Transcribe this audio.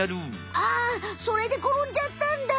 あそれでころんじゃったんだ。